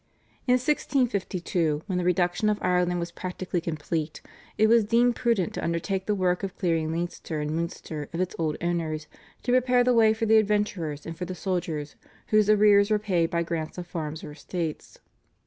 In 1652, when the reduction of Ireland was practically complete, it was deemed prudent to undertake the work of clearing Leinster and Munster of its old owners to prepare the way for the adventurers and for the soldiers, whose arrears were paid by grants of farms or estates.